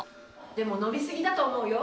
でも伸びすぎだと思うよ。